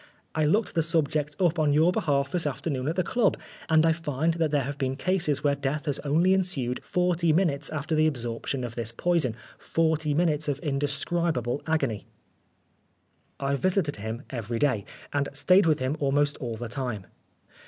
I looked the subject up on your behalf this afternoon at the club, and I find there have been cases where death has only ensued forty minutes after the absorption of this poison forty minutes of indescribable agony." I visited him every day, and stayed with him almost all the time.